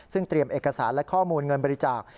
ซึ่งเตรียมเอกสารและข้อมูลเงินบริจาค